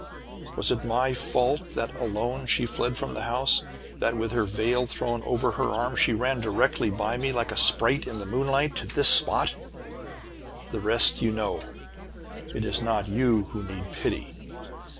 "Was it my fault that, alone, she fled from the house? That, with her veil thrown over her arm, she ran directly by me, like a sprite in the moonlight, to this spot? "The rest you know. "It is not you who need pity!